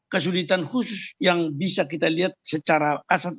kesulitan khusus yang bisa kita lihat secara aset